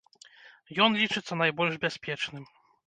Ён лічыцца найбольш бяспечным.